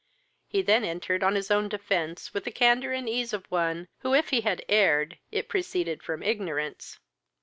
He then entered on his own defence, with the candour and ease of one, who, if he had erred, it proceeded from ignorance.